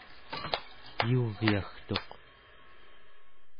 yugyagtuq